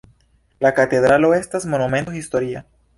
La katedralo estas Monumento historia.